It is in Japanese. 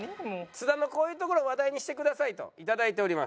「津田のこういうところを話題にしてください」と頂いております。